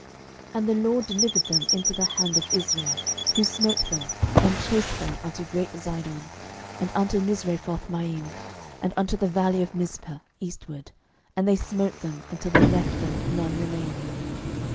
06:011:008 And the LORD delivered them into the hand of Israel, who smote them, and chased them unto great Zidon, and unto Misrephothmaim, and unto the valley of Mizpeh eastward; and they smote them, until they left them none remaining.